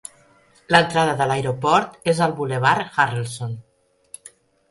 L'entrada de l'aeroport és al Boulevard Harrelson.